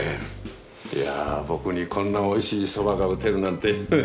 いや僕にこんなおいしい蕎麦が打てるなんて。